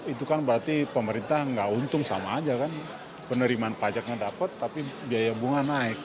itu kan berarti pemerintah nggak untung sama aja kan penerimaan pajaknya dapat tapi biaya bunga naik